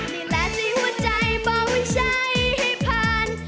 นี่แหละที่หัวใจบอกไม่ใช่ให้ผ่าน